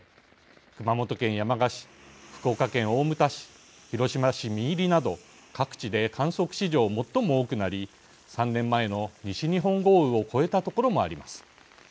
熊本県山鹿市福岡県大牟田市広島市三入など各地で観測史上最も多くなり３年前の西日本豪雨を超えた所もあります。